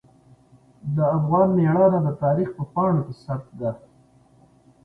د افغان میړانه د تاریخ په پاڼو کې ثبت ده.